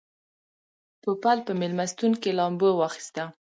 پوپل په مېلمستون کې لامبو واخیسته.